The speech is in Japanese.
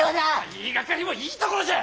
言いがかりもいいところじゃ！